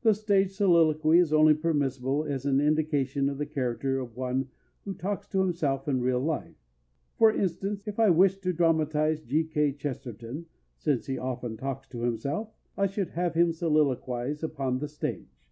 The stage soliloquy is only permissible as an indication of the character of one who talks to himself in real life. For instance, if I wished to dramatize G. K. Chesterton, since he often talks to himself, I should have him soliloquize upon the stage.